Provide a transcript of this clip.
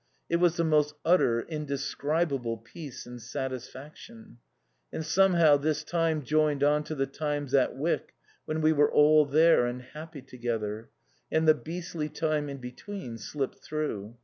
It was the most utter, indescribable peace and satisfaction. And somehow this time joined on to the times at Wyck when we were all there and happy together; and the beastly time in between slipped through.